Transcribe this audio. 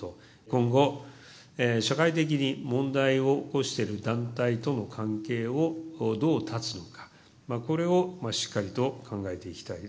今後、社会的に問題を起こしている団体との関係をどう断つのか、これをしっかりと考えていきたい。